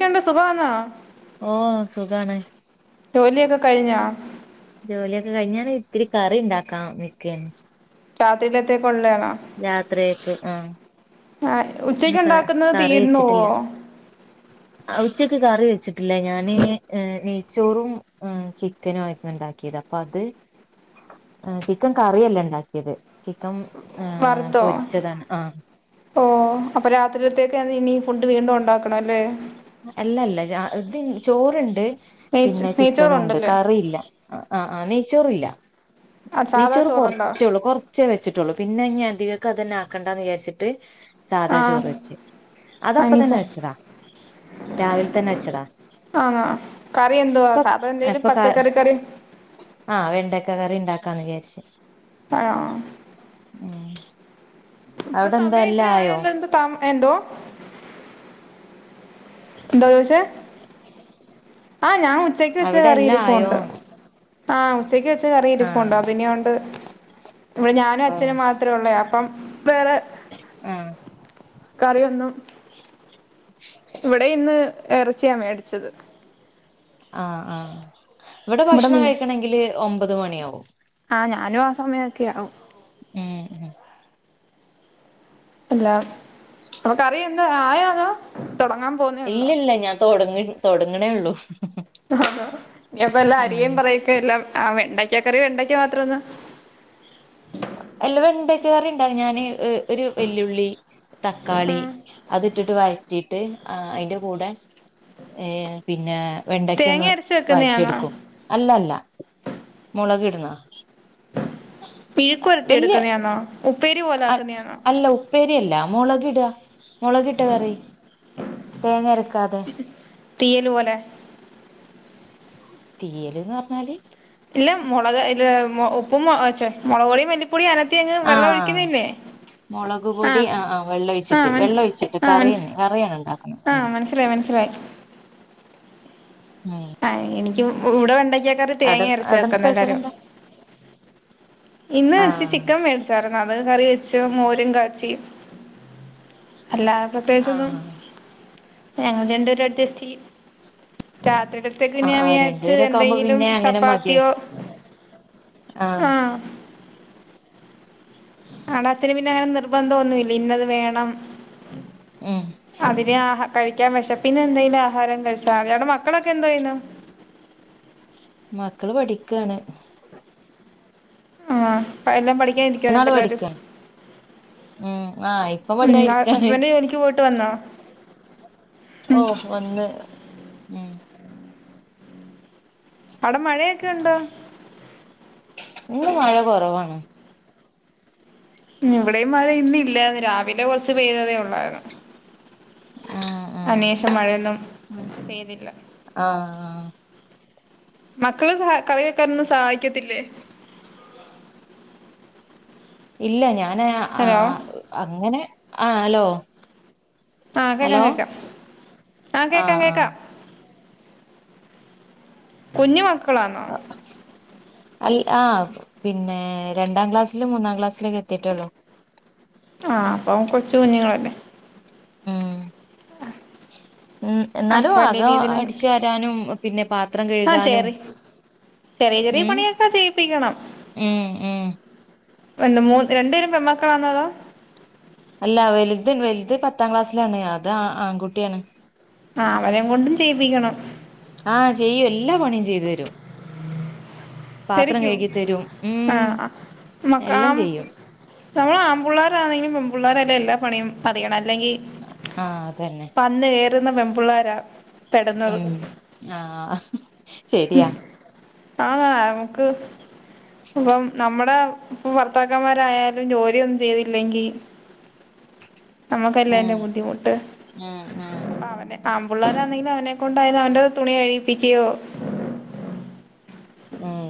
കണ്ട സുഖന്നാ ഓ സുഖണേ ജോലിയൊക്കെ കഴിഞ്ഞാ ജോലിയൊക്കെ കഴിഞ്ഞൻ ഇത്തിരി കറി ഉണ്ടാക്കാം നിക്കന്ന് [unintelligible] ലത്തെ കൊള്ളെ യാണോ യാത്രെയെക്കെ ആഹ് ആ ഉച്ചയ്ക്ക് ഇന്ന് ക ഉണ്ടാക്കുന്നത് തീർന്നോവോ? അ ഉച്ചക്ക് കറി വെച്ചിട്ടില്ല ഞാന് നെയ്ച്ചോറും ചിക്കനു ആയിരുന്നു ഇണ്ടാക്കിയേത് അപ്പൊ അത് ചിക്കൻ കറിയല്ല ഇണ്ടാക്കിയത് ചിക്കം വർത്തോ ഓ അപ്പൊ രാത്രിക്കത്തേന്ത ഇനി ഫുഡ് വീണ്ടും ഉണ്ടാക്കണം ല്ലേ? അല്ലല്ല അത് ചോറണ്ട് നെയ്ച് പിന്നെ ചിക്കനും ഉണ്ട് നെയ്ച്ചോറുണ്ടല്ലേ കറില്ല ആഹ് അഹ് നീ ചോറല്ല ആ സാധാ നീച്ചോറ് ചോറുണ്ടോ കുറച്ചേള്ളൂ കൊറച്ചേ വെച്ചിട്ടുള്ളൂ പിന്നെ ഞൻ പ്രതികൾക്ക അത്തന്നെ ആക്കണ്ട എന്ന് വിചാരിച്ചിട്ട് സാദാ ആ ചോറ് വെച്ച് അതപ്പ തന്നെ അനിയിപ്പോ വെച്ചതാ രാവിൽ തന്നെ വച്ചതാ ആണോ കറി എന്തുവാ ഇപ്പ സാധാ എന്തേലും ഇപ്പൊ ക പച്ചക്കറി കറി ആ വെണ്ടയ്ക്ക കറി ണ്ടാക്കാന്ന് വിചാരിച്ച് [unintelligible] ഉം ഇപ്പോ അവിടെ എന്താ സമയെത്ര എല്ലാം ആയോ ആയല്ലോ എന്ത് താമ് എന്തോ എന്താ പോയ്ച്ചേ? ഞാ ഉച്ചയ്ക്ക് വച്ച അവിടെ എല്ലാം ആയോ കറിയിരിപ്പുണ്ട്. ആ ഉച്ചയ്ക്ക് വെച്ച് കറി ഇരിപ്പുണ്ട് ആഹ് അതിനിയുണ്ട് ഞാനും അച്ഛനും മാത്രേ ഒള്ളേ. അ പ്പം വേറെ ആ കറിയൊന്നും എറച്ചിയാ മേടിച്ചത് ആ ആ ഇവിടെ ഭക്ഷണം കഴിക്കണെങ്കില് ഒമ്പത് മണിയാവും അലോ അ സമായൊക്കെയാവും [unintelligible] ഇല്ല അപ്പം കറിയെന്താ ആയൊ അതോ തുടങ്ങാൻ പോന്നേ ഉള്ളോ ഇല്ലില്ല ഞാൻ തൊടങ്ങിവെച്ചു തോടങ്ങണെയൊള്ളൂ [unintelligible] ഇനിയപ്പോ എല്ലാം അരിയെ ഉം പേറയിക്കെയെല്ലാം ആ വെ ണ്ടയ്ക്ക കറി വെണ്ടയ്ക്ക മാത്രവൊള്ളൊ അല്ല വെണ്ടയ്ക്ക കറിണ്ടാ ഞാനെ ഒ ഒരുവല്ല്യുള്ളി ആ തക്കാളി അതിട്ടിട്ടു വയ റ്റിട്ട് അയിന്റെ കൂടെ ഏ പിന്നെ തേങ്ങ വെണ്ടയ്ക്കങ്ങ് അരച്ച് വെക്കുന്നയാണോ വയറ്റിയെടുക്കും അല്ലല്ല മോളകിടുന്ന മെഴുക്കുവരട്ടി വല്ല്യ എടുക്കുന്നയാണോ ഉപ്പേരി പോലെ അൽ ആക്കുന്നയാണോ അല്ല ഉപ്പേരിയല്ല മുളകിടാ മുളകിട്ടക്കറി തേങ്ങരാക്കാതെ തീയലുപോലെ തീരും എന്നുപറഞ്ഞാല് ഇളം മുളക് അതില് ഉപ്പ ഉപ്പും ചേ മുളകുപൊടിയും മല്ലി ആഹ് മുളകുപൊടി ആഹ് ആഹ് ആഹ് വെള്ളമൊഴിച്ചിട്ട് മന വെള്ളമൊഴിച്ചിട്ട് ആഹ് കറി മനസ് തന്നെ കറിയാണ് ഉണ്ടാക്കുന്നത് ആഹ് ഉം. മനസ്സിലായി മനസ്സിലായി ഉം എനിക്കും എവിടേണ്ടെങ്കിൽ. ചിക്കൻ കറി അവിടെ തേങ്ങ അരച്ചാ അവിടെ വെയ്ക്കുന്നെ സ്പെഷ്യൽ എല്ലാരും. എന്താ ഇന്ന് ഇച്ചി ആഹ് ചിക്കൻ മേടിച്ചായിരുന്നു അത്. കറി വെച്ചു മോരും കാച്ചി. അല്ലാതെ പ്രത്യേകിച്ച് ആഹ് ഒന്നും. ഞങ്ങൾ രണ്ട് പേരും അഡ്ജസ്റ്റ് ചെയ്യും. രാത്രിയിലത്തേക്ക് ആഹ് ഞാൻ ആഹ് വിചാരിച്ചു രണ്ടുപേരൊക്കെ ആവുമ്പോ എന്തെങ്കിലും പിന്നെ അങ്ങനെ മതിയെ ചപ്പാത്തിയോ ആഹ്. കാണാച്ചന് പിന്നെ നിർ ബന്ധമൊന്നുമില്ല ഇന്നത് വേണും. ഉം അതിനെ ആ കഴിക്കാൻ വിശപ്പിന് എന്തെങ്കിലും ആഹാരം കഴിച്ചാൽ മതി, അയാളുടെ മക്കളൊക്കെ എന്തോ ചെയ്യുന്നു. മക്കൾ പഠിക്കാണ് ആഹ് സൈലം പഠിക്കാൻ ഇരിക്കാണോ ഇപ്പ മൂന്നാള് എല്ലാരും പഠിക്കാണ് ഉം ആഹ് ഇപ്പൊ ഉം ആഹ് പഠിക്കാനിരിക്കാണ് ഹസ്ബൻ്റ് ജോലിക്ക് പോ ട്ട് വന്നോ ഓ വന്ന് ഉം അവിടെ മഴയൊക്കെ ഉണ്ടോ ഇന്ന് മഴ കുറവാണ് ഇവിടെയും മഴ ഇന്ന് ഇല്ലായിരുന്നു രാവിലെ ലെ കുറച്ച് പെയ്ത ഉള്ളായിരുന്നു ആഹ് അതിന് ആഹ് ശേഷം മഴ ഒന്നും പെയ്തില്ല ആഹ് മക്കൾ കറി വെയ്ക്കാൻ ഒന്നും സഹായിക്കത്തില്ലേ ഇല്ല ഞാ ന് അ ഹലോ അങ്ങനെ ആഹ് ഹലോ ആഹ് കേക്കാം ഹലോ കേക്കാം ആഹ് കേക്കാം കേക്കാം കുഞ്ഞു മക്ക ളാണോ അല്ല ആഹ് രണ്ടാം ക്ലാസിലും മൂന്നാം ക്ലാസിലെക്കെ എത്തീട്ടേ ഉള്ളൂ ആഹ് അപ്പം കൊച്ചു കുഞ്ഞുങ്ങളല്ലേ ഉം ഉം എന്നാലും അവർക്ക് വലിയ അകം രീതിയിലൊന്നും അടിച്ച് വാരാനും പാത്രം ആഹ് കഴുകാനും ചേറി ചെറിയ ചെറിയ ഉം പണിയൊക്കെ ചെയ്യിപ്പിക്കണം ഉം ഉം രണ്ട് പേരും പെൺമക്കളാണോ അല്ല വലുത് പത്താം ക്ലാസ്സാണ് അത് ആൺ കുട്ടി ആണ് ആഹ് അവനേം കൊണ്ടും ചെയ്യിപ്പിക്കണം ആഹ് ചെയ്യും എല്ലാ പണികളും ചെയ്ത് തരും പാത്രം തെരക്കിയോ കഴുകി തരും ഉം ആഹ് എല്ലാം മക്കാം ചെയ്യും ഞങ്ങൾ ആമ്പുള്ളാരാണേലും പെമ്പുള്ളാരല്ലേ എല്ലാ പണിയും അറിയണേ ല്ലങ്കി ആഹ് അതന്നെ വന്നു കേറുന്ന പെണ്ണ പുള്ളാരാ ഉം ആ ആന്ന നമുക്ക് ഇപ്പം നമ്മുടെ ഭർത്താക്കന്മാരായാലും ജോലി ഒന്നു ചെയ്തില്ലങ്കി നമുക്കല്ലേ അതിന്റ ഉം ബുദ്ധിമുട്ട് ഉം ഉം അവനെ ആമ്പുള്ളാരാണെലും അവനെ കൊണ്ട് അവന്റ തുണി കഴുകിപ്പിക്കയോ ഉം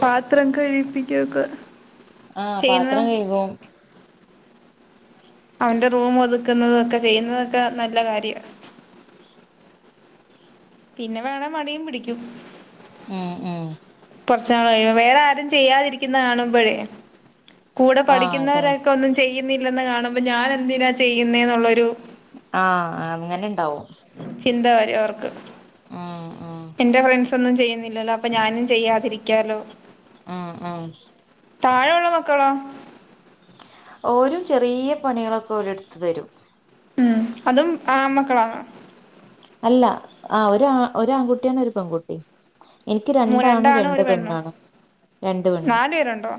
പാത്രം കഴീകിപ്പിക്ക ഒക്ക ആഹ് പാത്രം കഴുകും അവന്റ റൂം ഒതുക്കുന്നത് ചെയുന്നതൊക്കെ നല്ല കാര്യാ പിന്ന വേണേ മടിയും പിടിക്കും ഉം ഉം കൊറച്ചാളായി വേറാരും ചെയാതിരിക്കുന്ന കാണുമ്പഴേ കൂടെ ആഹ് അതെ പഠിക്കുന്നോരൊക്ക ഒന്നും ചെയുന്നില്ലന്ന് കാണു അപ്പ ഞാനെന്തിനാ ചെയ്നെന്നോള്ളോരു ആഹ് അങ്ങനിണ്ടാവും ചിന്ത വരും അവർക്ക് ഉം ഉം എൻന്റ ഫ്രണ്ട്‌സൊന്നും ചെയ് ഇല്ലല്ലോ അപ്പൊ ഞാനും ചെയ്യാതിരിക്കലോ ആഹ് ആഹ് താഴെ ഒള്ള മക്കളോ ഓരും ചെറിയ പണികളൊക്കെ ഓരെടുതെരും ഉം അതും ആൺ മക്കളാ അല്ലാ ആ ഒരാൺ കുട്ടിയാണ് ഒരു പെൺകുട്ടി എനിക്ക് മൂ രണ്ടാണും രണ്ട് ഒരു പെണ്ണും പെണ്ണാണ് നാലു പേരുണ്ടോ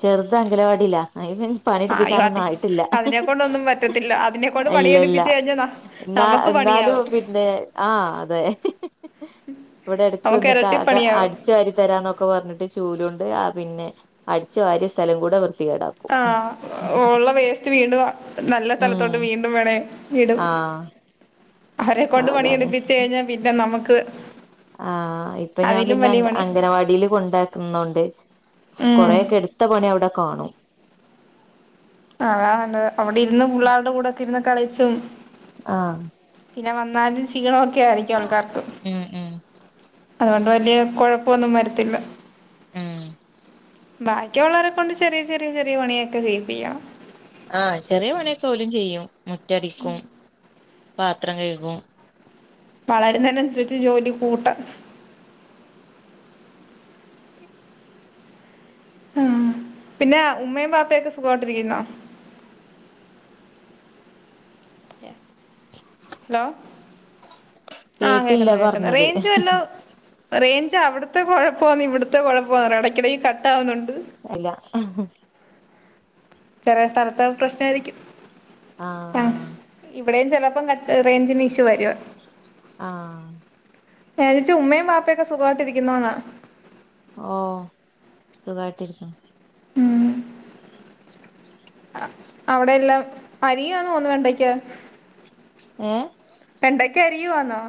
ചെറുത് അംഗനവാടിലാ [unintelligible] അതിനകൊണ്ടൊന്നും പറ്റത്തില്ല അതിനെക്കൊണ്ട് പണി ഇല്ല ഇല്ല എടുപ്പിച്ച് കഴിഞ്ഞല എന്നാ നമ്മക്ക് പ എന്നാലും പിന്നെ ആഹ് അതെ ഇവിടെടക്ക് നമുക്ക് വന്നിട്ട് എരട്ടി ആക പണിയാവും അടിച്ചു വാരിത്തെരാന്നൊക്കെ പറഞ്ഞിട്ട് ചൂലുകൊണ്ട് ആ പിന്നെ അടിച്ചുവാരിയ സ്ഥലം കൂടെ വൃ ആഹ് ഒള്ള വേസ്റ്റ് വീണ്ടും നല്ല സ്ഥലത്തോട്ടു വീണ്ടും വേണേ ആ ഹ് അവരെക്കൊണ്ട് പണി എടുപ്പിച്ചു കഴിഞ്ഞാൽ പിന്നെ നമ്മക്ക് പ്പ് ആഹ് ഇപ്പ ഞാൻ പിന്നെ അംഗനവാടി കൊണ്ടാക്കുന്നോണ്ട് ഉം കൊറേക്കേട്ത്ത പണി അവടെ കാണും അതാനല്ലത് അവടിര്ന്ന് പുള്ളാര്ടെ കൂടെക്കെര്ന്ന് കളിച്ചും ആഹ് പിന്നെവന്നാലും ഷീണം ഒക്കെ ആയിരിക്കും ആൾക്ക് ഉം ഉം അത് കൊണ്ട് വല്ല്യേ കൊഴപ്പൊന്നും വരത്തില്ല ഉം ബാക്കി ഒള്ളോരെ കോണ്ട് ചെറിയ ചെറിയ ജോലികളൊക്കെ ചെയ്യിപ്പിക്കണം ആഹ് ചെറ്യേ പണിയൊക്കെ ഓലും ചെയ്യും മുറ്റടിക്കും പാത്രം കൈകും വളര്ന്നേനൻസരിച് ജോലി കൂട്ടാ ആഹ് പിന്നെ ഉമ്മയും ബാപ്പയൊക്കെ സുഖായിട്ടിരിക്കുന്നോ? ല്ല ഹലോ ആഹ് കേട്ടില്ല കേക്ക്ന്ന് കേക്ക്ന്ന് പറഞ്ഞത് റേൻജ് വല്ലതും റേഞ്ച് അവിട്ത്തേ കൊഴപ്പാ ഇവ്ട്ത്തേ കൊഴപ്പാന്ന് അറിയത്തില്ല എടക്കെടക്ക് കട്ടാകുന്നു അല്ല ആഹ് ചെലേ സ്ഥലത്തെ പ്രശ്‌നായിരിക്കും ആഹ് ആഹ് ഇവ്ടേം ചെലപ്പം കട്ട് റേഞ്ചിന്റെ ഇശൂ വരും ആഹ് ഞാചോച്ചേ ഉമ്മേം ബാപ്പേക്കെ സുഖാട്ടിരിക്കുന്നോന്നാ ഓ സുഗായിട്ടിരിക്ക്ന്നു ഉം അവിടെ എല്ലാ അരിയാന്ന് തോന്നുന്നു വെണ്ടയ്ക്ക ഏഹ് വെണ്ടയ്ക്കാ അരിയുവാന്നൊ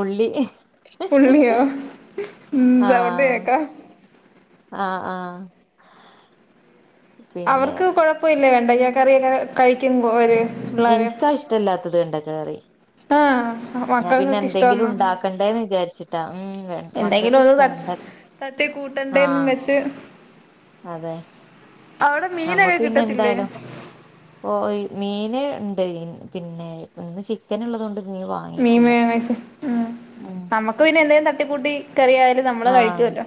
ഉള്ളി ഉള്ള്യോ ഉം സൗണ്ട് ആഹ് കേക്കാ ആഹ് ആഹ് പിന്നെ അവർക്ക് കൊഴപ്പോല്ലേ വെണ്ടയ്ക്ക കറിയൊക്കെ കഴിക്കു എനിക്കാ ഇഷ്ടല്ലാത്തത് വെണ്ടക്കക്കറി ആഹ് ഞാൻ പിന്നെ മക്കൾക്കൊക്കെ എന്തങ്കിലുണ്ടാക്കണ്ടേന്ന് വിചാരിച്ച് എന്തെങ്കിലൊന്ന് തട്ട് ആഹ് തട്ടിക്കൂട്ടണ്ടെന്നുംവച്ച് ഞമ്മക്ക് പിന്നെ എന്തായാലും ഒ മീന് ണ്ടെ പിന്നെ ചിക്കൻ ള്ളത്കൊണ്ട് മീൻ വെങ്ങായിസ് ഉം നമ്മക് പിന്നെ എന്തേലും ന്റെ കുട്ടി ന്ത്‌ കറിയാലും നമ്മൾ ആഹ് കഴിക്കലോ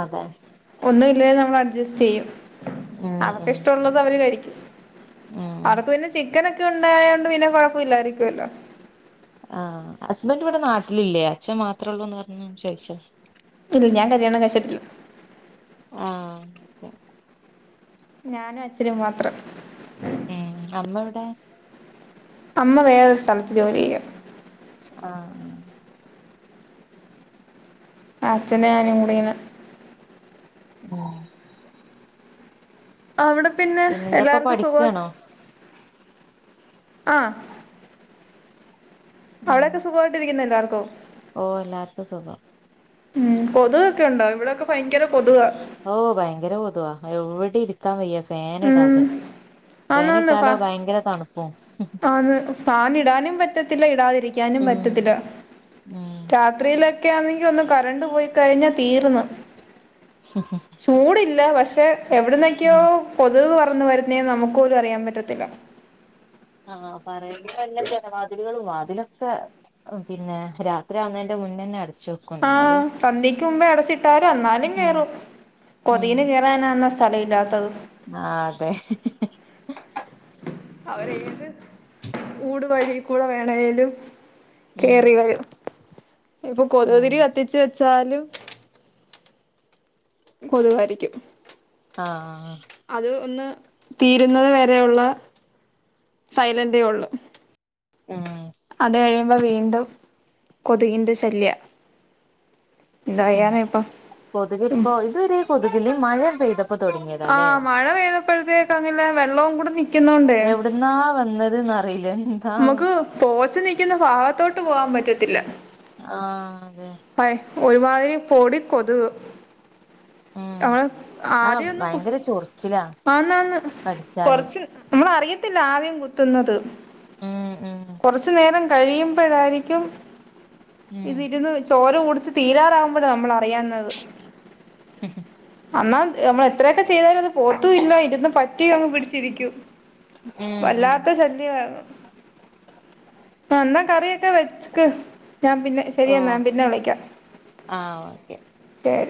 അതെ ഒന്ന് ഇതിൽ ഏതാ അഡ്ജസ്റ്റ് ചെയ്യും ഉം അവക്ക് ഉം ഇഷ്ടോള്ളത് അവര് കഴിക്കും ഉം അവക്ക് പിന്ന ചി ക്കനൊക്കെ ണ്ടായോണ്ട് പിന്ന കൊഴപ്പല്ലാരിക്കലോ ആ അസ്ബന്റ് ഇവിടെ നാട്ടിൽ ഇല്ലേ അച്ഛൻ മാത്രള്ളൂന്ന് പറഞ്ഞ് ചോയിച്ച ല്ല ഞാൻ കല്യാണം കഴിച്ട്ട് ആഹ് ഓക്കെ ഞാനും അച്ഛനും മാത്രം. ഉം. അമ്മ എവടെ? അമ്മ വേറൊരു സ്ഥലത്ത് ജോലി ചെയ്യാ ആഹ് അച്ഛനും ഞാനും കൂടെ ഇങ്ങനെ ഉം അവിടെ പിന്നെ പിന്നെന്താപ്പ എല്ലാർക്കും സുഖോ പഠിക്കാണോ ആഹ് ഉം അവിടെക്കെ സുഖായിട്ട് ഇരിക്കുന്നോ എല്ലാർ പൊ ഓ എല്ലാർക്കും സുഖം ഉം കൊതുക് ഒക്കെ ണ്ടോ ഇവിടെക്കെ ആഹ് ഭയങ്കര കൊതുകാ എവ് ടെ ഇരിക്കാൻ വയ്യ ഉം ഫാന്ടാതെ ഫാനിട്ടാലോ ഭയങ്കര തണുപ്പു അതെ ഫാനിടാനും പറ്റത്തില്ല ഇടാതിരിക്കാനും ഉം പറ്റത്തില്ല ഉം രാത്രീല് എനിക്ക്യാന്നെങ്കിഒന്ന് കറന്റ്‌ പോയിക്കഴിഞ്ഞ തീർന്ന് ചോടി ല്ല പക്ഷെ എവ്ട്ന്നൊക്കെയോ ഉം കൊതുക് വ വരുന്നേ നമുക്ക്പോലും അറിയാൻ പറ്റത്തില്ല ആ ഹ് പറയ്ന്നതല്ലേ ജനവാദില്കളും വാതിലൊക്കെ ഉം പിന്നെ രാത്രിയാവുന്നേന്റെ മുന്നെന്നെ ആഹ് സന്ധ്യക്ക്‌മുമ്പേ അടച്ചിട്ടാലു ഉം വെന്നാലുംക്കേറും കൊതുകിന് കേറാനാ സ്ഥല ഇല്ലാത്തത് ആതേ അവരേത് ഊട് വഴികൂടെ വേ ലേലും ഉം കേറിവയോ ഇപ്പ കൊതുക് ഉം തിരി കത്തിച്ചുവെ ച്ചാലും കൊതുകായിരിക്കും. ആഹ് ആഹ് അ ത് ഒന്ന് തീരുന്നത് വരെയുള്ള സൈലൻ്റെ ഒള്ള്. ഇം അത് കഴിയുമ്പ വീണ്ടും കൊതുകിൻ്റെ ശല്യാ ഇം കൊതുക് ഇപ്പോ ഇതുവരെ കൊതുകില് മഴ പെയ്ത ആ മഴ പെയ്തപ്പഴത്തേക്കും അങ്ങ് ഇല്ല വെള്ളവും കൂടി നിക്കുന്നോണ്ടെ വെയിലാണ് നമുക്ക് പോച്ച നിക്കുന്ന ഭാഗത്തോട്ട് പോകാൻ പറ്റൂല ഇല്ലാ ആഹ് അതെ ഒരുമാതിരി പൊടി കൊതുക് ഉം ആ ആഹ് ആദ്യമെന്നും കു ഭയങ്കര ചൊറിച്ചിലാ ആന്നാണു് കടിച്ചാല് കുറച്ച് നമ്മള് അറിയത് [unintelligible] ആദ്യം കുത്തുന്നത് ഉം ഉം കഴിയുമ്പോഴായിരിക്കും ഇത് ഉം ഇരുന്ന് ചോര കുടിച്ച് തീരാറാകുമ്പോഴാണ് നമ്മളറിയുന്നത് ഹു ഹും എന്നാൽ നമ്മൾ എത്രയെക്കെ തട്ടിയാലും പോത്തതും ഇല്ല ഇരുന്ന് പറ്റിയങ്ങ് പിടിച്ചിരിക്കും ഉം ഉം എന്നാ കറിയെക്കെ വെചു ക്കു എന്നാ പിന്നെ ശരി എന്നാ ഞാൻ പിന്നെ വിളിക്കാം ആഹാ ഓക്കെ ശരി